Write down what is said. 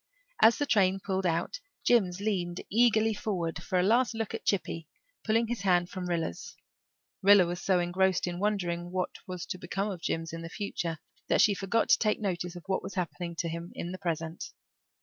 As the train pulled out Jims leaned eagerly forward for a last look at Chippy, pulling his hand from Rilla's. Rilla was so engrossed in wondering what was to become of Jims in the future that she forgot to take notice of what was happening to him in the present.